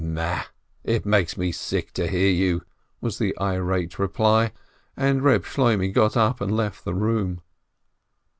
"Ma! It makes me sick to hear you," was the irate reply, and Eeb Shloimeh got up and left the room.